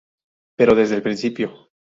Pero desde el principio.